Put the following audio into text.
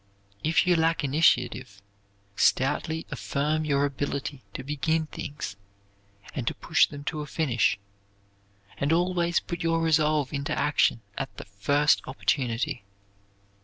If you lack initiative, stoutly affirm your ability to begin things, and to push them to a finish. And always put your resolve into action at the first opportunity.